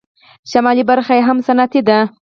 شمالي برخه یې هم صنعتي ده.